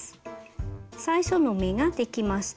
最初の目ができました。